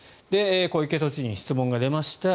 小池都知事に質問が出ました。